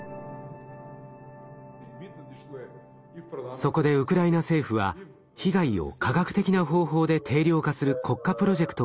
そこでウクライナ政府は被害を科学的な方法で定量化する国家プロジェクトを開始。